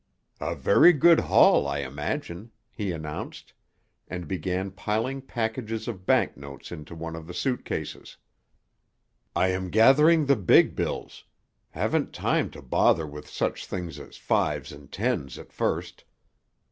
"A very good haul, I imagine," he announced, and began piling packages of bank notes into one of the suit cases. "I am gathering the big bills—haven't time to bother with such things as fives and tens at first.